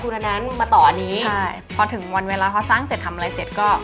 ใช่พอถึงวันเวลาเขาสร้างเสร็จทำอะไรเสร็จ